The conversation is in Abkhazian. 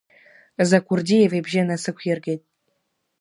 Закурдиаев ибжьы насықәиргеит.